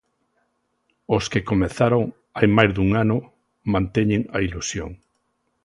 Os que comezaron hai máis dun ano, manteñen a ilusión.